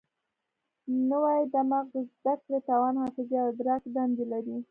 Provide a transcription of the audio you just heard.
لوی دماغ د زده کړې، توان، حافظې او ادراک دندې لري.